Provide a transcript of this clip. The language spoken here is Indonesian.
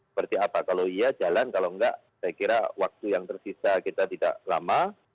seperti apa kalau iya jalan kalau enggak saya kira waktu yang tersisa kita tidak lama